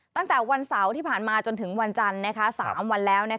ตั้งแต่วันเสาร์ที่ผ่านมาจนถึงวันจันทร์๓วันแล้ว